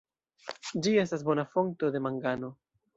Ĝi estas bona fonto de mangano.